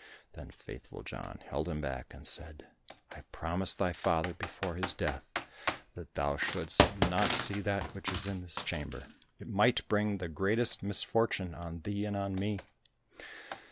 Then Faithful John held him back and said, "I promised thy father before his death that thou shouldst not see that which is in this chamber, it might bring the greatest misfortune on thee and on me."